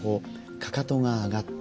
かかとが上がった。